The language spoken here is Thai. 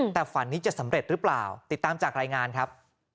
แต่ฝันนี้จะสำเร็จหรือเปล่าติดตามจากรายงานครับ